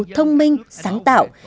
thông minh sáng tạo